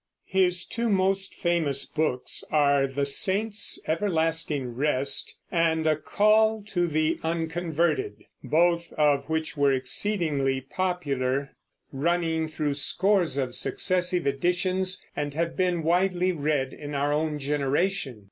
His two most famous books are The Saints' Everlasting Rest and A Call to the Unconverted, both of which were exceedingly popular, running through scores of successive editions, and have been widely read in our own generation.